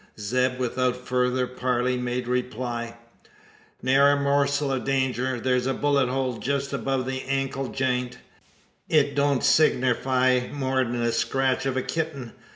Zeb without further parley, made reply: "Ne'er a morsel o' danger. Thur's a bullet hole jest above the ankle jeint. It don't signerfy more'n the scratch o' a kitting.